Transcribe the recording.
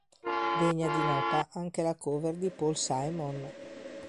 Degna di nota anche la cover di Paul Simon.